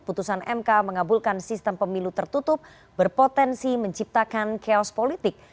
putusan mk mengabulkan sistem pemilu tertutup berpotensi menciptakan chaos politik